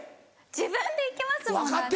自分で行けますもん。